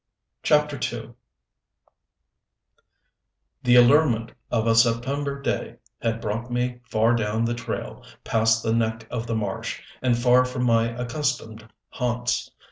CHAPTER II The allurement of a September day had brought me far down the trail, past the neck of the marsh, and far from my accustomed haunts.